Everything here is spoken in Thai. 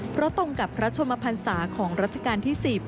เพราะตรงกับพระชมพันศาของรัชกาลที่๑๐